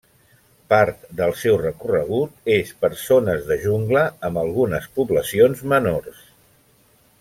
Part del seu recorregut és per zones de jungla amb algunes poblacions menors.